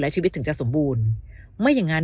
ชีวิตถึงจะสมบูรณ์ไม่อย่างนั้น